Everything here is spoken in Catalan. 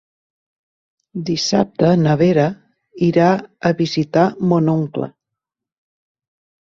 Dissabte na Vera irà a visitar mon oncle.